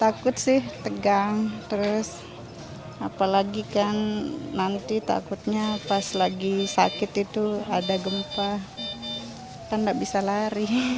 takut sih tegang terus apalagi kan nanti takutnya pas lagi sakit itu ada gempa kan nggak bisa lari